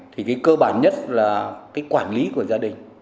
thì cơ bản nhất là quản lý của gia đình